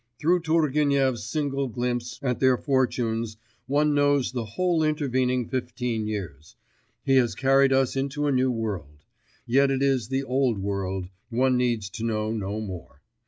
Through Turgenev's single glimpse at their fortunes one knows the whole intervening fifteen years; he has carried us into a new world: yet it is the old world; one needs to know no more.